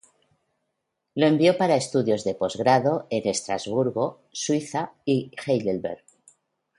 Lo envió para estudios de posgrado en Estrasburgo, Suiza y Heidelberg.